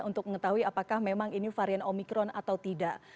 untuk mengetahui apakah memang ini varian omikron atau tidak